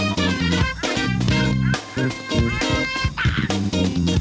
โน้ท